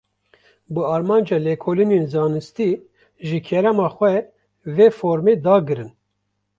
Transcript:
Bi armanca lêkolînên zanistî, ji kerema xwe, vê formê dagirin